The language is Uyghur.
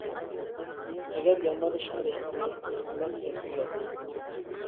ئەگەر يامان ئىش قىلىشنى نىيەت قىلساڭلار، بۇنىمۇ يارىتىمەن.